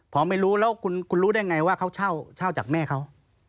พอไม่รู้แล้วคุณรู้ได้ไงว่าเขาเช่าจากแม่เขา